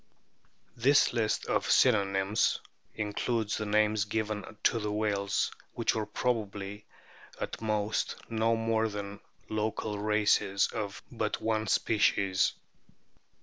^ This list of synonyms includes the names given to whales which are probably at most no more than local races of but one species.